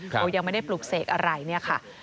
ก็ยังไม่ได้ปลุกเสกอะไรเนี่ยค่ะ